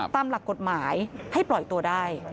ตามหลักกฎหมายให้ปล่อยตัวได้